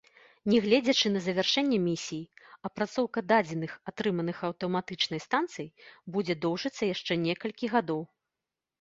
Нягледзячы на завяршэнне місіі, апрацоўка дадзеных, атрыманых аўтаматычнай станцыяй, будзе доўжыцца яшчэ некалькі гадоў.